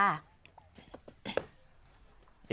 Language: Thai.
อ่า